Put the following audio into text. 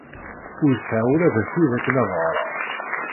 Ur sɛiɣ ula d akud akken ad ɣreɣ.